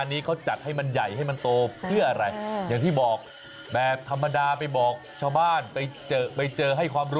ที่ฉันเห็นแป๊ยิ้มไหนนะฮ่า